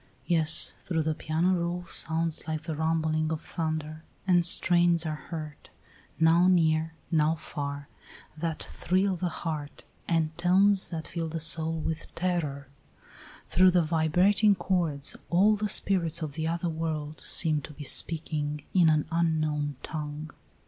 Yes; through the piano roll sounds like the rumbling of thunder, and strains are heard, now near, now far, that thrill the heart, and tones that fill the soul with terror; through the vibrating chords all the spirits of the other world seem to be speaking in an unknown tongue.